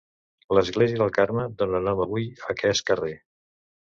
L'església del Carme dóna nom avui a aquest carrer.